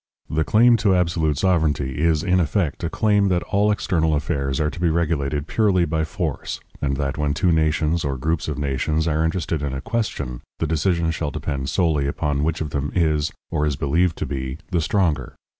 The claim to absolute sovereignty is, in effect, a claim that all external affairs are to be regulated purely by force, and that when two nations or groups of nations are interested in a question, the decision shall depend solely upon which of them is, or is believed to be, the stronger.